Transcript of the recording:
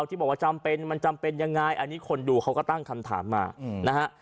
ที่บอกว่าจำเป็นมันจำเป็นยังไงอันนี้คนดูเขาก็ตั้งคำถามมานะฮะ